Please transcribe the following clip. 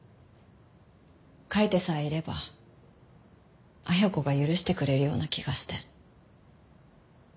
書いてさえいれば恵子が許してくれるような気がして。